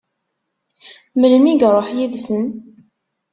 Melmi i iṛuḥ yid-sen?